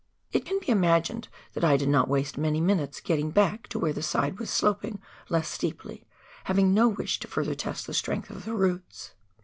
It can be imagined that I did not waste many minutes getting back to where the side was sloping less steeply, having no wish to further test the strength of the roots